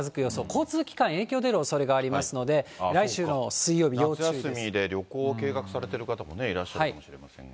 交通機関、影響出るおそれがありますので、夏休みで旅行を計画されてる方もいらっしゃるかもしれませんが。